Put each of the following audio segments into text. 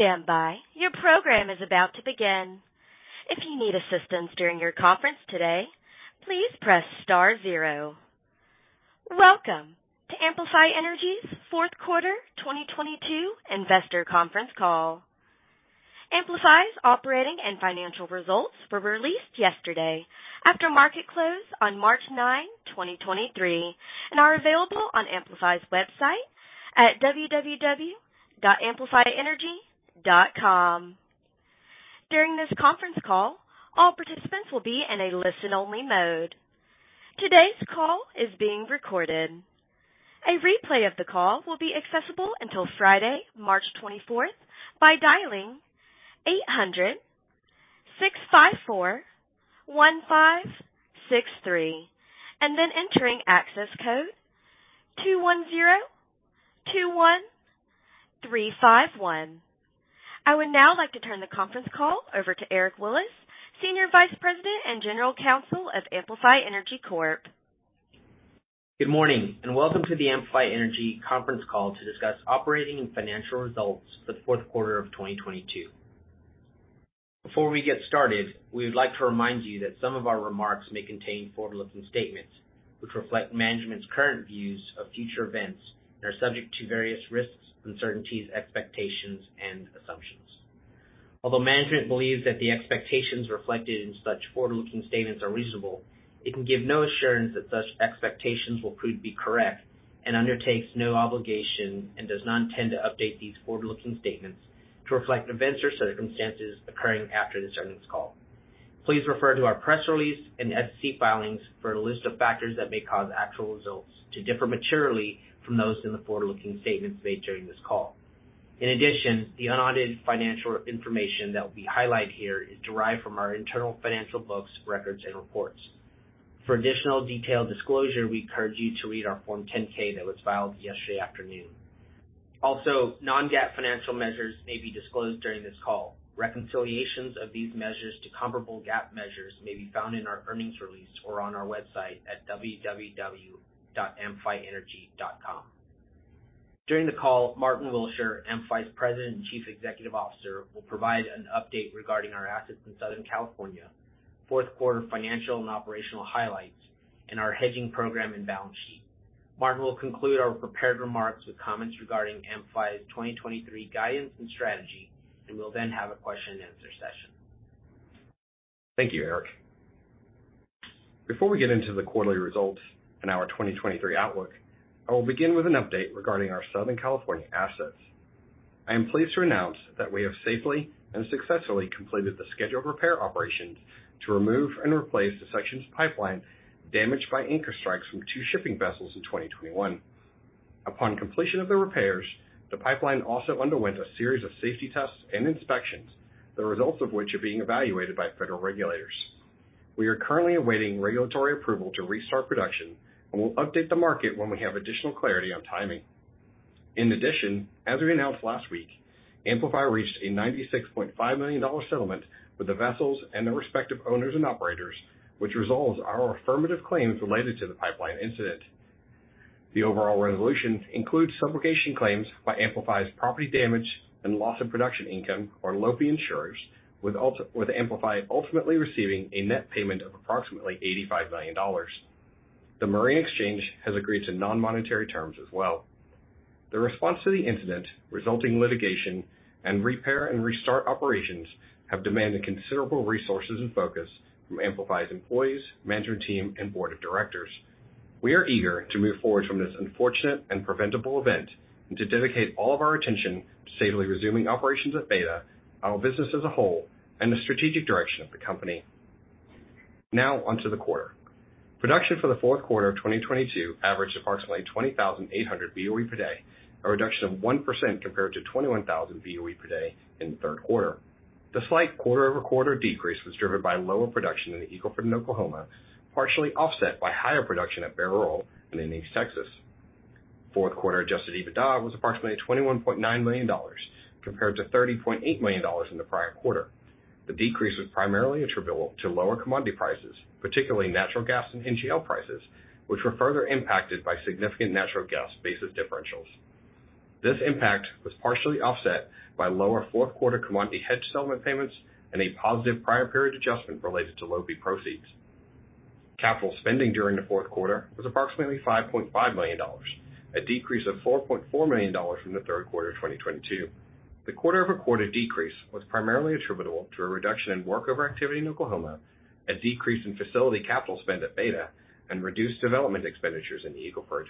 Please stand by. Your program is about to begin. If you need assistance during your conference today, please press star zero. Welcome to Amplify Energy's fourth quarter 2022 investor conference call. Amplify's operating and financial results were released yesterday after market close on March 9, 2023, and are available on Amplify's website at www.amplifyenergy.com. During this conference call, all participants will be in a listen-only mode. Today's call is being recorded. A replay of the call will be accessible until Friday, March 24 by dialing 800-654-1563 and then entering access code 21021351. I would now like to turn the conference call over to Eric Willis, Senior Vice President and General Counsel of Amplify Energy Corp. Good morning and welcome to the Amplify Energy conference call to discuss operating and financial results for the fourth quarter of 2022. Before we get started, we would like to remind you that some of our remarks may contain forward-looking statements which reflect management's current views of future events and are subject to various risks, uncertainties, expectations, and assumptions. Although management believes that the expectations reflected in such forward-looking statements are reasonable, it can give no assurance that such expectations will prove to be correct and undertakes no obligation and does not tend to update these forward-looking statements to reflect events or circumstances occurring after this earnings call. Please refer to our press release and SEC filings for a list of factors that may cause actual results to differ materially from those in the forward-looking statements made during this call. The unaudited financial information that will be highlighted here is derived from our internal financial books, records, and reports. For additional detailed disclosure, we encourage you to read our Form 10-K that was filed yesterday afternoon. Non-GAAP financial measures may be disclosed during this call. Reconciliations of these measures to comparable GAAP measures may be found in our earnings release or on our website at www.amplifyenergy.com. During the call, Martyn Willsher, Amplify Energy's President and Chief Executive Officer, will provide an update regarding our assets in Southern California, fourth quarter financial and operational highlights, and our hedging program and balance sheet. Martyn will conclude our prepared remarks with comments regarding Amplify Energy's 2023 guidance and strategy. We'll then have a question and answer session. Thank you, Eric. Before we get into the quarterly results and our 2023 outlook, I will begin with an update regarding our Southern California assets. I am pleased to announce that we have safely and successfully completed the scheduled repair operations to remove and replace the sections of pipeline damaged by anchor strikes from two shipping vessels in 2021. Upon completion of the repairs, the pipeline also underwent a series of safety tests and inspections, the results of which are being evaluated by federal regulators. We are currently awaiting regulatory approval to restart production and will update the market when we have additional clarity on timing. In addition, as we announced last week, Amplify reached a $96.5 million settlement with the vessels and their respective owners and operators, which resolves our affirmative claims related to the pipeline incident. The overall resolution includes subrogation claims by Amplify's property damage and loss of production income, or LOPI insurers, with Amplify ultimately receiving a net payment of approximately $85 million. The Marine Exchange has agreed to non-monetary terms as well. The response to the incident, resulting litigation, and repair and restart operations have demanded considerable resources and focus from Amplify's employees, management team, and board of directors. We are eager to move forward from this unfortunate and preventable event and to dedicate all of our attention to safely resuming operations at Beta, our business as a whole, and the strategic direction of the company. Onto the quarter. Production for the fourth quarter of 2022 averaged approximately 20,800 BOE per day, a reduction of 1% compared to 21,000 BOE per day in the third quarter. The slight quarter-over-quarter decrease was driven by lower production in the Eagle Ford in Oklahoma, partially offset by higher production at Bairoil and in East Texas. Fourth quarter Adjusted EBITDA was approximately $21.9 million compared to $30.8 million in the prior quarter. The decrease was primarily attributable to lower commodity prices, particularly natural gas and NGL prices, which were further impacted by significant natural gas basis differentials. This impact was partially offset by lower fourth quarter commodity hedge settlement payments and a positive prior period adjustment related to LOPI proceeds. Capital spending during the fourth quarter was approximately $5.5 million, a decrease of $4.4 million from the third quarter of 2022. The quarter-over-quarter decrease was primarily attributable to a reduction in workover activity in Oklahoma, a decrease in facility capital spend at Beta, and reduced development expenditures in the Eagle Ford.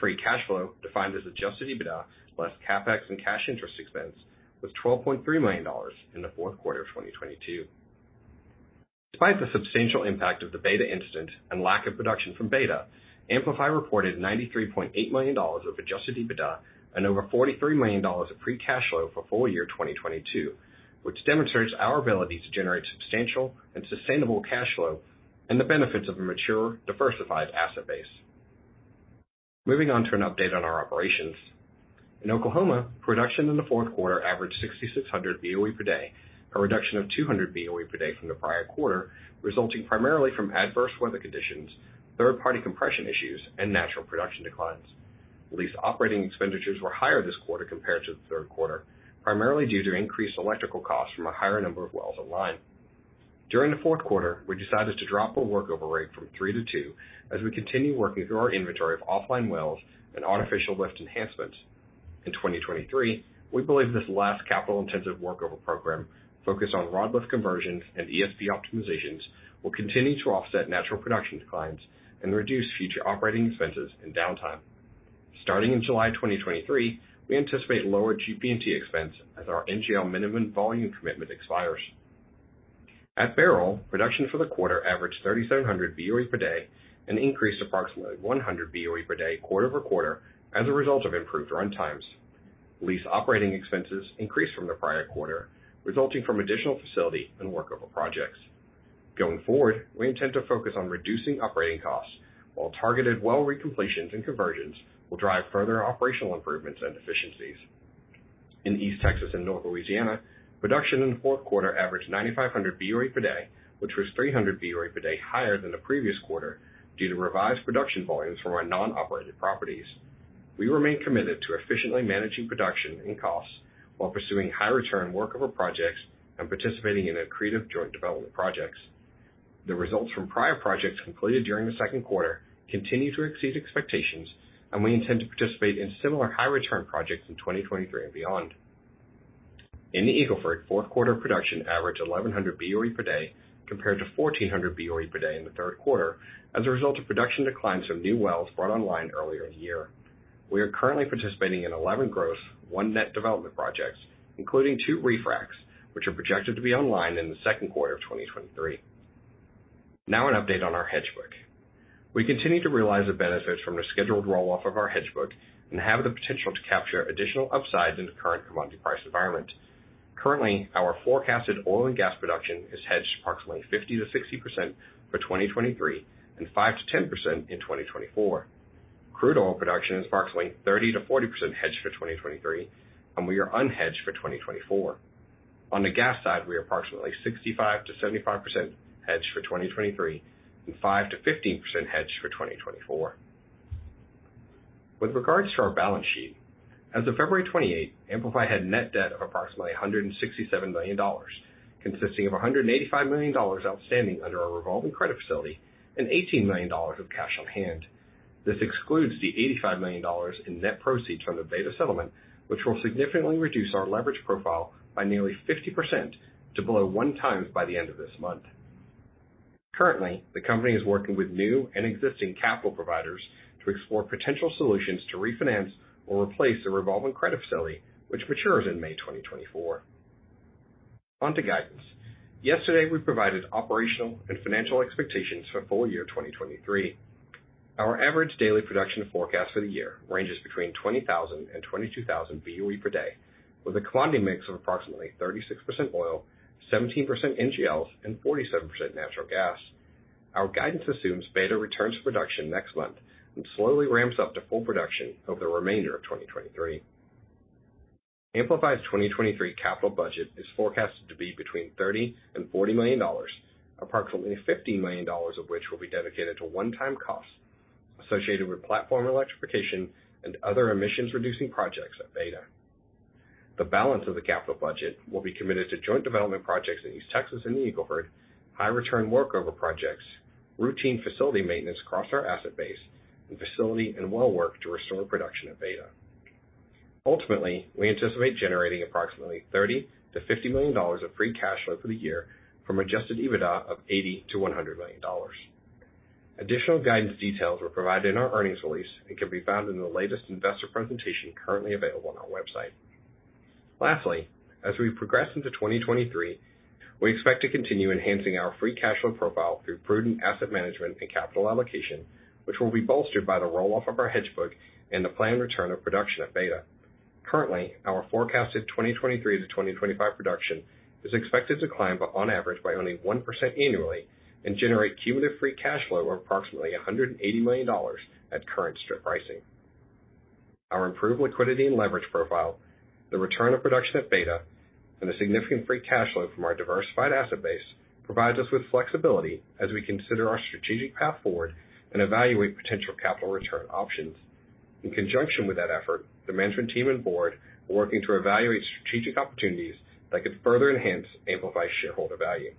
Free cash flow, defined as Adjusted EBITDA less CapEx and cash interest expense, was $12.3 million in the fourth quarter of 2022. Despite the substantial impact of the Beta incident and lack of production from Beta, Amplify reported $93.8 million of Adjusted EBITDA and over $43 million of free cash flow for full year 2022, which demonstrates our ability to generate substantial and sustainable cash flow and the benefits of a mature, diversified asset base. Moving on to an update on our operations. In Oklahoma, production in the fourth quarter averaged 6,600 BOE per day, a reduction of 200 BOE per day from the prior quarter, resulting primarily from adverse weather conditions, third-party compression issues, and natural production declines. Lease operating expenditures were higher this quarter compared to the third quarter, primarily due to increased electrical costs from a higher number of wells online. During the fourth quarter, we decided to drop our workover rate from three to two as we continue working through our inventory of offline wells and artificial lift enhancements. In 2023, we believe this last capital-intensive workover program focused on rod lift conversions and ESP optimizations will continue to offset natural production declines and reduce future operating expenses and downtime. Starting in July 2023, we anticipate lower GP&T expense as our NGL minimum volume commitment expires. At Bairoil, production for the quarter averaged 3,700 BOE per day and increased approximately 100 BOE per day quarter-over-quarter as a result of improved runtimes. Lease operating expenses increased from the prior quarter, resulting from additional facility and workover projects. Going forward, we intend to focus on reducing operating costs, while targeted well recompletions and conversions will drive further operational improvements and efficiencies. In East Texas and North Louisiana, production in the fourth quarter averaged 9,500 BOE per day, which was 300 BOE per day higher than the previous quarter due to revised production volumes from our non-operated properties. We remain committed to efficiently managing production and costs while pursuing high-return workover projects and participating in accretive joint development projects. The results from prior projects completed during the second quarter continue to exceed expectations, we intend to participate in similar high-return projects in 2023 and beyond. In the Eagle Ford, fourth quarter production averaged 1,100 BOE per day compared to 1,400 BOE per day in the third quarter as a result of production declines from new wells brought online earlier in the year. We are currently participating in 11 gross, one net development projects, including two refracs, which are projected to be online in the second quarter of 2023. An update on our hedge book. We continue to realize the benefits from the scheduled roll-off of our hedge book and have the potential to capture additional upsides in the current commodity price environment. Currently, our forecasted oil and gas production is hedged approximately 50%-60% for 2023 and 5%-10% in 2024. Crude oil production is approximately 30%-40% hedged for 2023, and we are unhedged for 2024. On the gas side, we are approximately 65%-75% hedged for 2023 and 5%-15% hedged for 2024. With regards to our balance sheet, as of February 28, Amplify had net debt of approximately $167 million, consisting of $185 million outstanding under our revolving credit facility and $18 million of cash on hand. This excludes the $85 million in net proceeds from the Beta settlement, which will significantly reduce our leverage profile by nearly 50% to below one times by the end of this month. Currently, the company is working with new and existing capital providers to explore potential solutions to refinance or replace the revolving credit facility, which matures in May 2024. On to guidance. Yesterday, we provided operational and financial expectations for full year 2023. Our average daily production forecast for the year ranges between 20,000 and 22,000 BOE per day, with a commodity mix of approximately 36% oil, 17% NGLs, and 47% natural gas. Our guidance assumes Beta returns to production next month and slowly ramps up to full production over the remainder of 2023. Amplify's 2023 capital budget is forecasted to be between $30 million and $40 million, approximately $15 million of which will be dedicated to one-time costs associated with platform electrification and other emissions-reducing projects at Beta. The balance of the capital budget will be committed to joint development projects in East Texas and the Eagle Ford, high-return workover projects, routine facility maintenance across our asset base, and facility and well work to restore production at Beta. Ultimately, we anticipate generating approximately $30 million-$50 million of free cash flow for the year from Adjusted EBITDA of $80 million-$100 million. Additional guidance details were provided in our earnings release and can be found in the latest investor presentation currently available on our website. Lastly, as we progress into 2023, we expect to continue enhancing our free cash flow profile through prudent asset management and capital allocation, which will be bolstered by the roll-off of our hedge book and the planned return of production at Beta. Currently, our forecasted 2023-2025 production is expected to climb by on average by only 1% annually and generate cumulative free cash flow of approximately $180 million at current strip pricing. Our improved liquidity and leverage profile, the return of production at Beta, and the significant free cash flow from our diversified asset base provides us with flexibility as we consider our strategic path forward and evaluate potential capital return options. In conjunction with that effort, the management team and board are working to evaluate strategic opportunities that could further enhance Amplify shareholder value.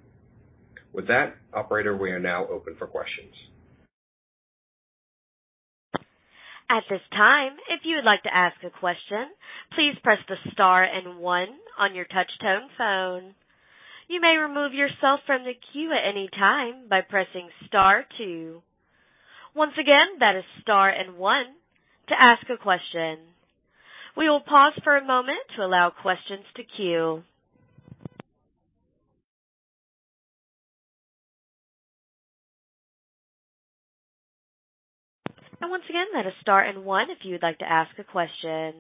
Operator, we are now open for questions. At this time, if you would like to ask a question, please press the star and one on your touch-tone phone. You may remove yourself from the queue at any time by pressing star two. Once again, that is star and one to ask a question. We will pause for a moment to allow questions to queue. Once again, that is star and one if you would like to ask a question.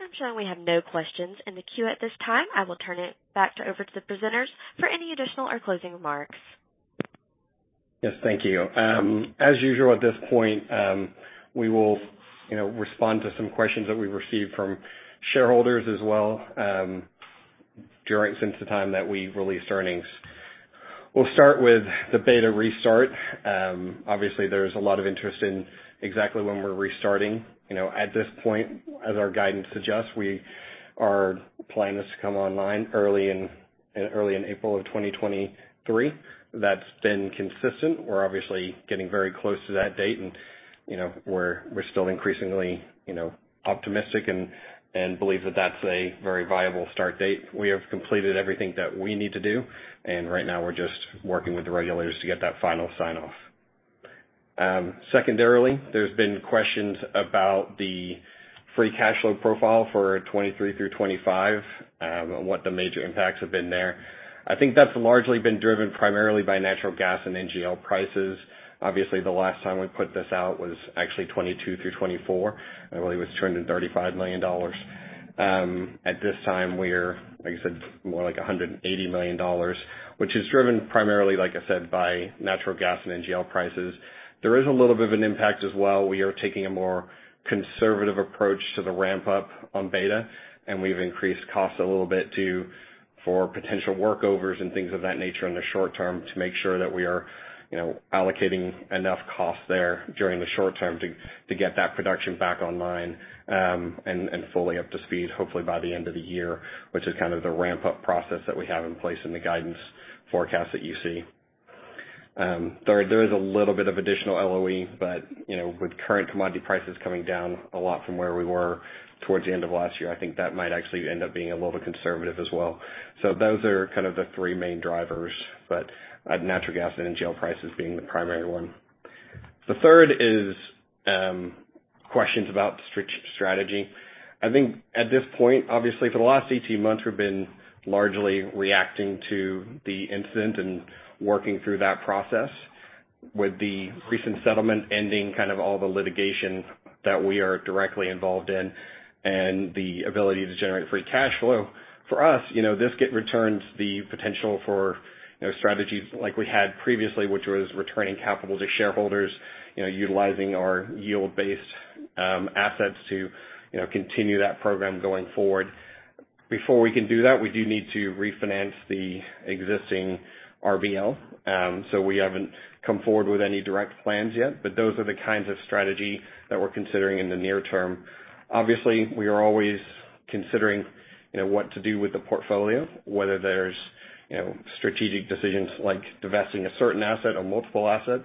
I'm showing we have no questions in the queue at this time. I will turn it back to over to the presenters for any additional or closing remarks. Yes, thank you. as usual at this point, we will, you know, respond to some questions that we've received from shareholders as well. Since the time that we released earnings. We'll start with the beta restart. Obviously there's a lot of interest in exactly when we're restarting. You know, at this point, as our guidance suggests, we are planning this to come online early in April of 2023. That's been consistent. We're obviously getting very close to that date and, you know, we're still increasingly, you know, optimistic and believe that that's a very viable start date. We have completed everything that we need to do, and right now we're just working with the regulators to get that final sign-off. Secondarily, there's been questions about the free cash flow profile for 23 through 25, and what the major impacts have been there. I think that's largely been driven primarily by natural gas and NGL prices. Obviously, the last time we put this out was actually 2022 through 2024. Really was $235 million. At this time, we're, like I said, more like $180 million, which is driven primarily, like I said, by natural gas and NGL prices. There is a little bit of an impact as well. We are taking a more conservative approach to the ramp-up on Beta, and we've increased costs a little bit for potential workovers and things of that nature in the short term to make sure that we are, you know, allocating enough cost there during the short term to get that production back online, and fully up to speed, hopefully by the end of the year, which is kind of the ramp-up process that we have in place in the guidance forecast that you see. There is a little bit of additional LOE, you know, with current commodity prices coming down a lot from where we were towards the end of last year, I think that might actually end up being a little conservative as well. Those are kind of the three main drivers, natural gas and NGL prices being the primary one. The third is questions about strategy. I think at this point, obviously, for the last 18 months, we've been largely reacting to the incident and working through that process. With the recent settlement ending kind of all the litigation that we are directly involved in and the ability to generate free cash flow, for us, you know, this get returns the potential for, you know, strategies like we had previously, which was returning capital to shareholders, you know, utilizing our yield-based assets to, you know, continue that program going forward. Before we can do that, we do need to refinance the existing RBL. We haven't come forward with any direct plans yet, but those are the kinds of strategy that we're considering in the near term. Obviously, we are always considering, you know, what to do with the portfolio, whether there's, you know, strategic decisions like divesting a certain asset or multiple assets.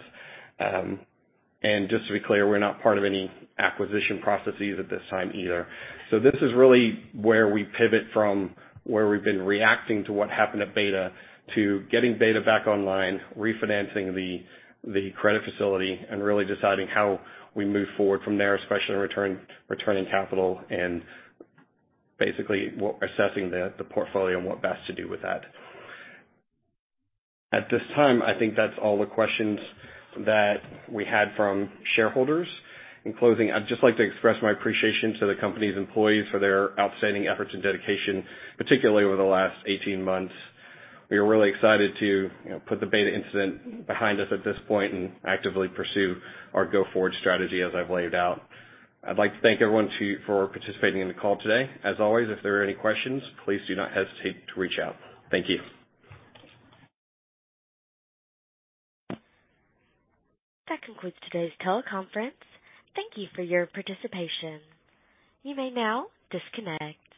Just to be clear, we're not part of any acquisition processes at this time either. This is really where we pivot from where we've been reacting to what happened at Beta to getting Beta back online, refinancing the credit facility, and really deciding how we move forward from there, especially returning capital and basically assessing the portfolio and what best to do with that. At this time, I think that's all the questions that we had from shareholders. In closing, I'd just like to express my appreciation to the company's employees for their outstanding efforts and dedication, particularly over the last 18 months. We are really excited to, you know, put the Beta incident behind us at this point and actively pursue our go-forward strategy as I've laid out. I'd like to thank everyone for participating in the call today. As always, if there are any questions, please do not hesitate to reach out. Thank you. That concludes today's teleconference. Thank you for your participation. You may now disconnect.